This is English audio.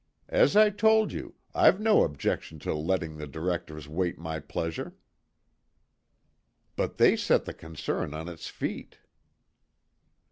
"As I told you, I've no objection to letting the directors wait my pleasure." "But they set the concern on its feet."